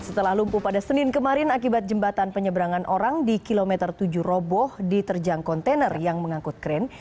setelah lumpuh pada senin kemarin akibat jembatan penyeberangan orang di kilometer tujuh roboh diterjang kontainer yang mengangkut kren